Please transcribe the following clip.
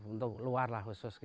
untuk luar lah khusus